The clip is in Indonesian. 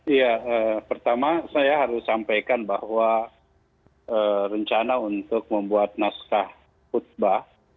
iya pertama saya harus sampaikan bahwa rencana untuk membuat naskah khutbah